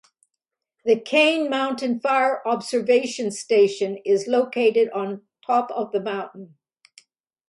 The Kane Mountain Fire Observation Station is located on top of the mountain.